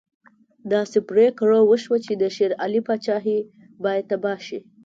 داسې پرېکړه وشوه چې د شېر علي پاچهي باید تباه شي.